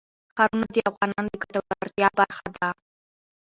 ښارونه د افغانانو د ګټورتیا برخه ده.